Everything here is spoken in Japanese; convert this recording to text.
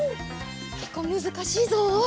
けっこうむずかしいぞ。